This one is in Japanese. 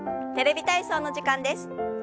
「テレビ体操」の時間です。